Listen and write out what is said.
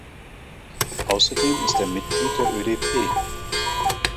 Außerdem ist er Mitglied der ödp.